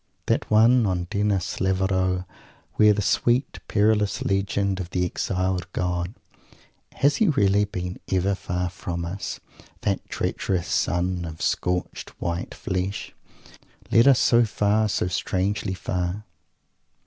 That one on Denys L'Auxerrois, where the sweet, perilous legend of the exiled god has he really been ever far from us, that treacherous Son of scorched white Flesh? leads us so far, so strangely far.